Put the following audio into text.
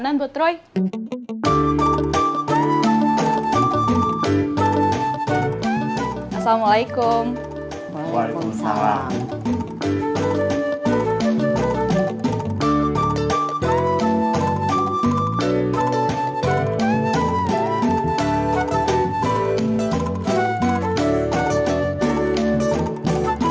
neng itu ga ada